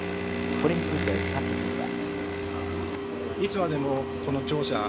これについて達増知事は。